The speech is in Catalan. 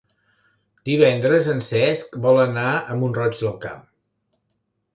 Divendres en Cesc vol anar a Mont-roig del Camp.